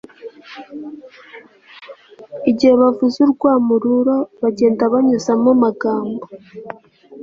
igihe bavuza urwamururo bagenda banyuzamo magambo